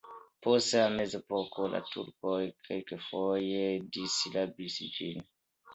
Post la mezepoko la turkoj kelkfoje disrabis ĝin.